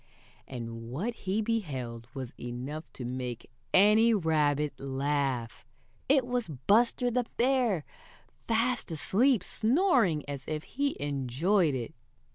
And what he beheld was enough to make any rabbit laugh! It was Buster the Bear fast asleep, snoring as if he enjoyed it.